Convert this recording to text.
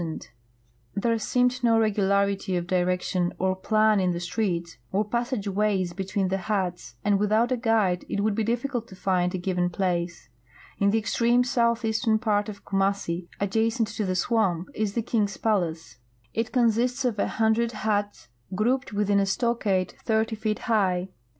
There seemed no regularity of direction or plan in the streets or passage ways between tlie huts, and without a guide it would be difficult to find a given place. In the extreme south eastern part of Kumassi, adjacent to the swamp, is the king's palace. It consists of a hundred huts grouped witliin a stockade thirty feet high.